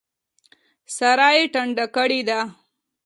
سارا يې ټنډه کړې ده.